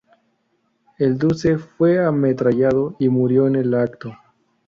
El Duce fue ametrallado y murió en el acto.